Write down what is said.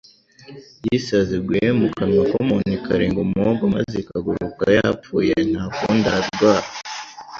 Iyo isazi iguye mu kanwa k’umuntu ikarenga umuhogo maze ikaguruka yapfuye ntakundi ararwara,